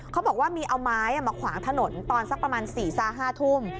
เขาบอกว่ามีเอาไม้มาขวางถนนตอนสักประมาณ๔๕ทุ่ม